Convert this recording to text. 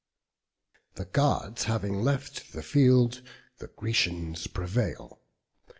The gods having left the field, the Grecians prevail.